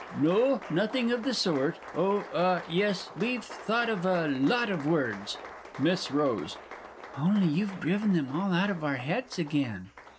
No, nothing of the sort! Oh, ah yes, we've thought of a lot of Words. MISS ROSE. Only you've driven them all out of our heads again!